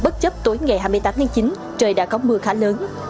tại năm hai nghìn chín trời đã có mưa khá lớn